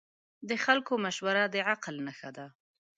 د خلکو مشوره د عقل نښه ده.